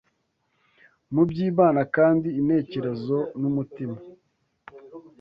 mu by’Imana kandi intekerezo n’umutima